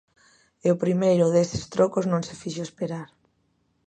E o primeiro deses trocos non se fixo esperar.